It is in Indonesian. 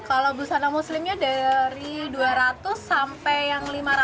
kalau busana muslimnya dari dua ratus sampai yang lima ratus